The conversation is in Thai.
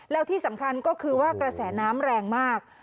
แล้วที่สำคัญก็คือว่ากระแสน้ำแรงมาก